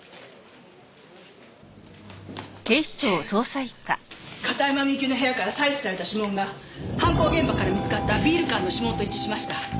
警部片山みゆきの部屋から採取された指紋が犯行現場から見つかったビール缶の指紋と一致しました。